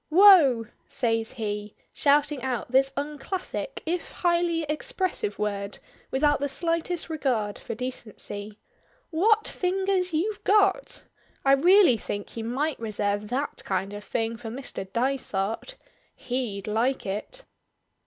"Wough!" says he, shouting out this unclassic if highly expressive word without the slightest regard for decency. "What fingers you've got! I really think you might reserve that kind of thing for Mr. Dysart. He'd like it."